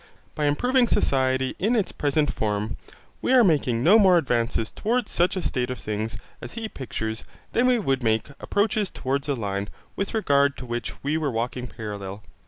By improving society in its present form, we are making no more advances towards such a state of things as he pictures than we should make approaches towards a line, with regard to which we were walking parallel.